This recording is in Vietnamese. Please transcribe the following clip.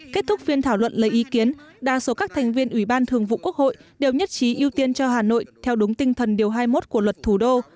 kết thúc phiên thảo luận lấy ý kiến đa số các thành viên ủy ban thường vụ quốc hội đều nhất trí ưu tiên cho hà nội theo đúng tinh thần điều hai mươi một của luật thủ đô